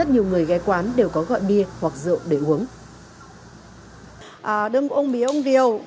nhiều người ghé quán đều có gọi bia hoặc rượu để uống